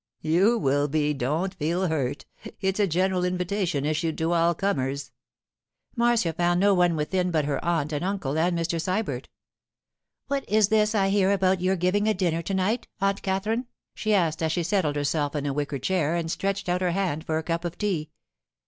'You will be; don't feel hurt. It's a general invitation issued to all comers.' Marcia found no one within but her aunt and uncle and Mr. Sybert. 'What is this I hear about your giving a dinner to night, Aunt Katherine?' she asked as she settled herself in a wicker chair and stretched out her hand for a cup of tea.